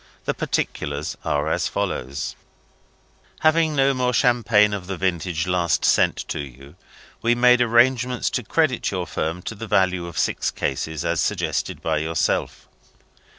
The particulars are as follows: "Having no more champagne of the vintage last sent to you, we made arrangements to credit your firm to the value of six cases, as suggested by yourself.